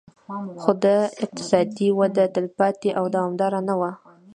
خو دا اقتصادي وده تلپاتې او دوامداره نه وه